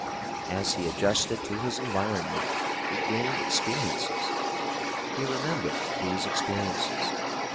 As he adjusted to his environment he gained experiences. He remembered these experiences.